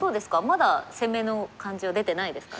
まだ攻めの感じは出てないですかね。